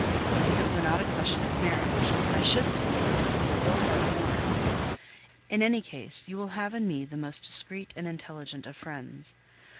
If it were not a question of marriage, I should say you were taking the bull by the horns. In any case, you will have in me the most discreet and intelligent of friends.